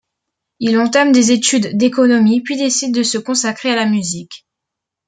Il entame des études d'économie puis décide de se consacrer à la musique.